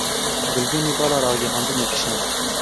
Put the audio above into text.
Gulbînê bala ragihandinê kişand.